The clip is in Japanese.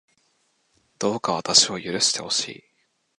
どうか私を許してほしい